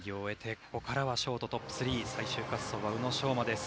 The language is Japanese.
ここからはショートトップ３最終滑走は宇野昌磨。